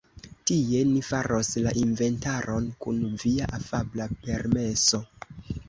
Tie, ni faros la inventaron, kun via afabla permeso.